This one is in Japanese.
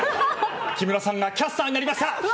木村さんがキャスターになりました！